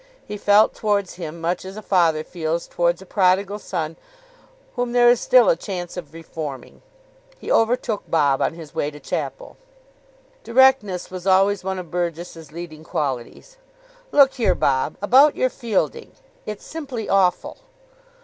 He felt towards him much as a father feels towards a prodigal son whom there is still a chance of reforming. He overtook Bob on his way to chapel. Directness was always one of Burgess's leading qualities. "Look here, Bob. About your fielding. It's simply awful."